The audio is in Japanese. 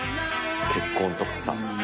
結婚とかさ。